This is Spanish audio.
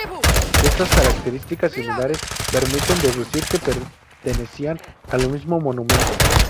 Estas características similares permiten deducir que pertenecían al mismo monumento.